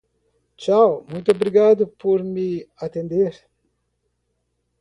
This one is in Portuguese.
Tchau, muito obrigado por me atender.